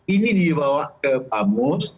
ini dibawa ke pamus